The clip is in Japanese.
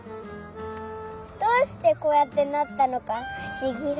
どうしてこうやってなったのかふしぎだなっておもった。